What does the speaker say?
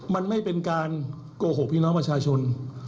มันไม่เป็นการโกหกพี่น้องประชาชน